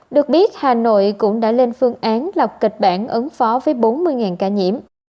được biết hà nội cũng đã lên phương án lọc kịch bản ứng phó với bốn mươi ca nhiễm